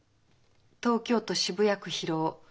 東京都渋谷区広尾